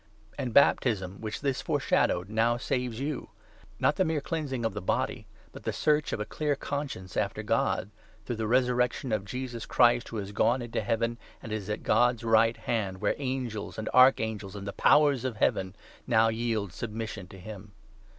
And baptism, which this foreshadowed, now saves you — not 21 the mere cleansing of the body, but the search of a clear conscience after God — through the resurrection of Jesus Christ, who has gone into Heaven, and is at God's right hand, where 22 Angels and Archangels and the Powers of Heaven now yield submission to him.